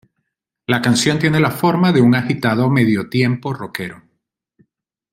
La canción tiene la forma de un agitado medio-tempo roquero.